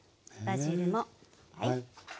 バジルもはい。